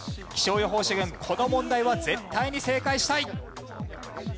気象予報士軍この問題は絶対に正解したい。